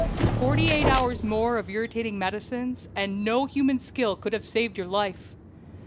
Forty eight hours more of irritating medicines, and no human skill could have saved your life."